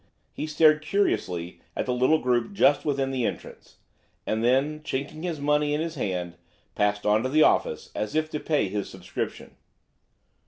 He stared curiously at the little group just within the entrance, and then chinking his money in his hand, passed on to the office as if to pay his subscription.